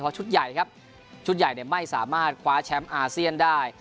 เพราะชุดใหญ่ไม่สามารถคว้าแชมป์อาเซียนได้